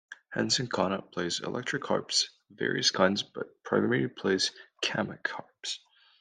Henson-Conant plays electric harps of various kinds, but primarily plays Camac Harps.